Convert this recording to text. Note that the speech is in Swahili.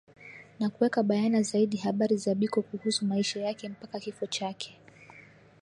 Na kuweka bayana zaidi habari za Biko kuhusu maisha yake mpaka kifo chake